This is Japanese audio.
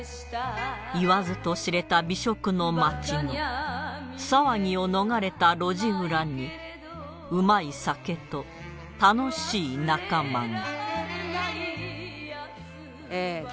言わずと知れた美食の街の騒ぎを逃れた路地裏にうまい酒と楽しい仲間が